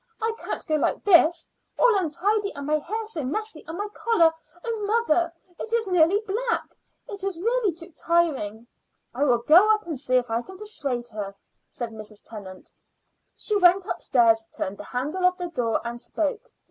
I can't go like this, all untidy, and my hair so messy, and my collar oh, mother, it is nearly black! It is really too trying." "I will go up and see if I can persuade her," said Mrs. Tennant. She went upstairs, turned the handle of the door, and spoke.